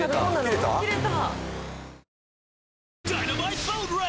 切れた？